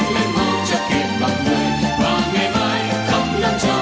yên mệnh vô cho kiếp mọi người và ngày mai khắp năm cho các loài việt nam